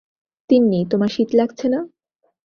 তিন্নি, তোমার শীত লাগছে না?